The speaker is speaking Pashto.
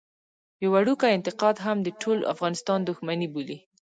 يو وړوکی انتقاد هم د ټول افغانستان دښمني بولي.